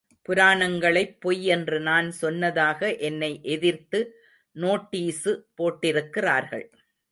புராணங்களைப் பொய் என்று நான் சொன்னதாக என்னை எதிர்த்து நோட்டீசு போட்டிருக்கிறார்கள்.